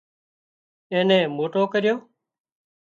اين نين موٽون ڪريون